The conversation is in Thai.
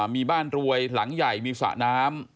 มีบ้านรวยหลังใหญ่มีสระน้ำ